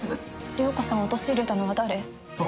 涼子さんを陥れたのは誰？